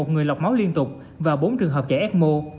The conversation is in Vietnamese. một mươi một người lọc máu liên tục và bốn trường hợp chảy ecmo